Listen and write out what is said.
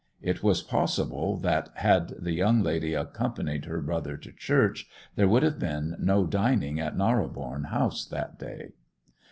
It was possible that, had the young lady accompanied her brother to church, there would have been no dining at Narrobourne House that day.